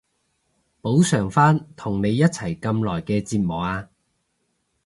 補償返同你一齊咁耐嘅折磨啊